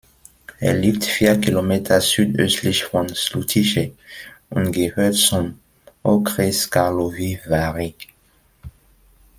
Er liegt vier Kilometer südöstlich von Žlutice und gehört zum Okres Karlovy Vary.